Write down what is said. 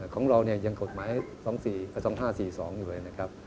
ของเรายังกฎหมาย๒๕๔๒อยู่เลย